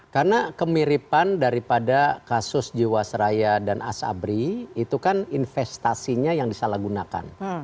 karena kemiripan daripada kasus jiwasraya dan asabri itu kan investasinya yang disalahgunakan